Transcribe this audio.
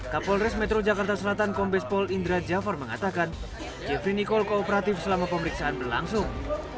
kapolres metro jakarta selatan kombespol indra jafar mengatakan jeffrey nicole kooperatif selama pemeriksaan berlangsung